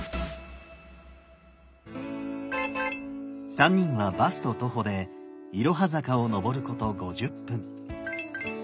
３人はバスと徒歩でいろは坂を上ること５０分。